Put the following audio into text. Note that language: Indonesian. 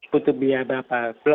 butuh biaya berapa